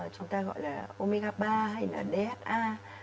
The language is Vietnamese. chúng ta gọi là omega ba hay là dha